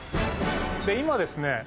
今ですね